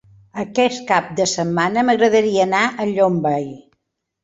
Aquest cap de setmana m'agradaria anar a Llombai.